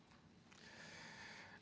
pada saat ini kami juga berkomitmen